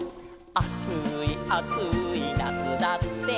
「あついあついなつだって」